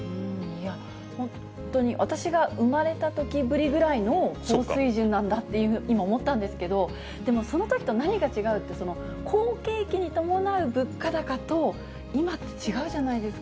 本当に、私が生まれたときぶりぐらいの高水準なんだって、今、思ったんですけれども、でも、そのときと何が違うって、その好景気に伴う物価高と、今って違うじゃないですか。